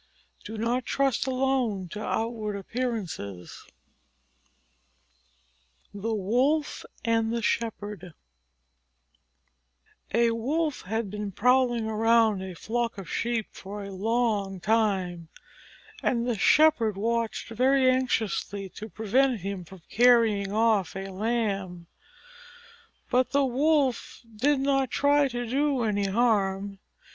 Do not trust alone to outward appearances. THE WOLF AND THE SHEPHERD A Wolf had been prowling around a flock of Sheep for a long time, and the Shepherd watched very anxiously to prevent him from carrying off a Lamb. But the Wolf did not try to do any harm.